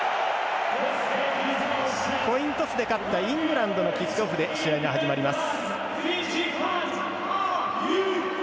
コイントスで勝ったイングランドのキックオフで試合が始まります。